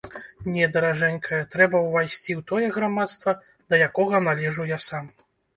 Не, даражэнькая, трэба ўвайсці ў тое грамадства, да якога належу я сам.